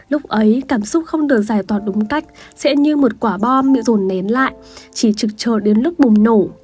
lúc ấy cảm xúc không được giải tỏa đúng cách sẽ như một quả bom bị rồn nén lại chỉ trực chờ đến lúc bùng nổ